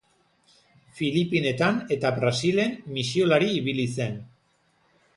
Filipinetan eta Brasilen misiolari ibili zen.